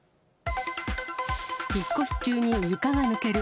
引っ越し中に床が抜ける。